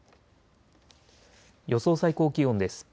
予想最高気温です。